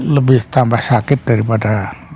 lebih tambah sakit daripada